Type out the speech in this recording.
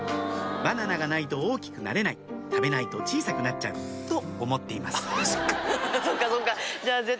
「バナナがないと大きくなれない食べないと小さくなっちゃう」と思っています